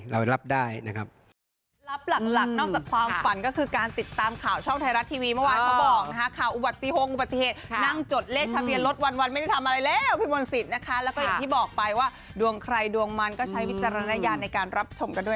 เรารับได้นะครับ